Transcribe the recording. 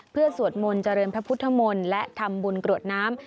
เพื่อสวดมนต์เจริญพระพุทธมนต์และทำบุญกรวดน้ำ